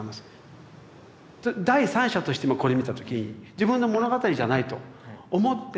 第三者として今これ見た時自分の物語じゃないと思って見て。